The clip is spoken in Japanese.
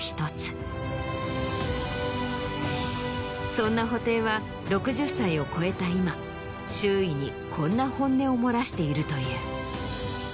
そんな布袋は６０歳を越えた今周囲にこんな本音を漏らしているという。